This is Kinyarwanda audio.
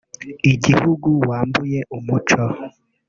Igihugu wambuye umuco